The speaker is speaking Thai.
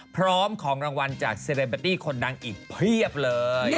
พร้อมของรางวัลจากเซเรเบตตี้คนดังอีกเพียบเลย